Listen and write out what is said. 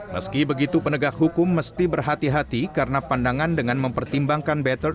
meski begitu penegak hukum mesti berhati hati karena pandangan dengan mempertimbangkan bettern